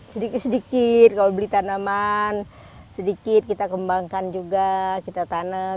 sedikit sedikit kalau beli tanaman sedikit kita kembangkan juga kita tanam